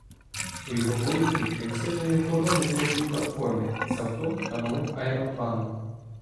У його поїзді, крім сильної охорони, було дві платформи з авто та малим аеропланом.